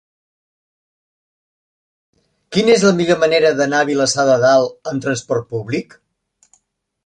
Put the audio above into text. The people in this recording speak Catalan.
Quina és la millor manera d'anar a Vilassar de Dalt amb trasport públic?